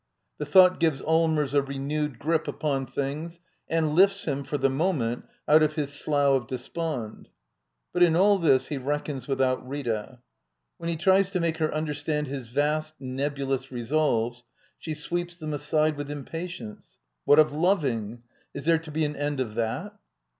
The j thought gives Allmers a renewed grip upon things I and lifts him, for the moment, out of his slough of \ despond. But in all this he reckons without Rita. When he tries to make her understand his vast, nebulous resolves she sweeps them aside with impatience. What of loving? Is there to be an end of that?